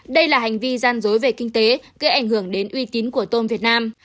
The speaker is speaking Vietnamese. đây là hành vi gian dối về kinh tế gây ảnh hưởng đến uy tín của tôm việt nam